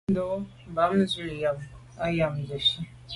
Nèn ndo’ ngo’ bàn nzwi am nse’ mfà yi.